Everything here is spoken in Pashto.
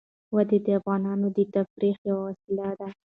وادي د افغانانو د تفریح یوه وسیله ده.